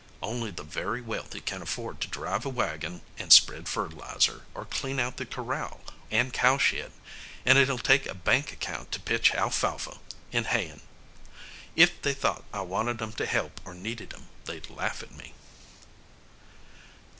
Only the very wealthy can afford to drive a wagon and spread fertilizer, or clean out the corral and cowshed, and it'll take a bank account to pitch alfalfa in hayin'. If they thought I wanted 'em to help, or needed 'em, they'd laugh at me."